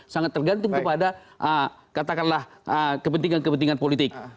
sangat tergantung kepada katakanlah kepentingan kepentingan politik